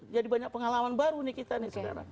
jadi banyak pengalaman baru nih kita sekarang